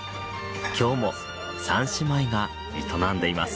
今日も三姉妹が営んでいます。